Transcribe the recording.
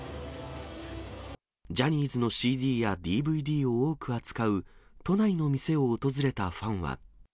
ジャニーズのＣＤやＤＶＤを多く扱う都内の店を訪れたファンは。